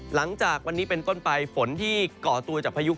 หลังจากวันนี้เป็นต้นไปฝนที่ก่อตัวจากพายุ